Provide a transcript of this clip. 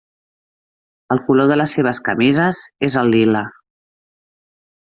El color de les seves camises és el lila.